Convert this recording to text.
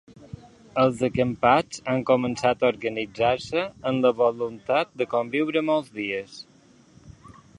Els acampats han començat a organitzar-se amb la voluntat de conviure molts dies.